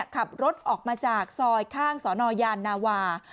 ขับรถออกมาจากซอยข้างสนยานนาวา